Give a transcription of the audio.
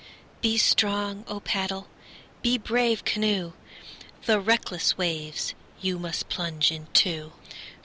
Be strong, O paddle! be brave, canoe! The reckless waves you must plunge into.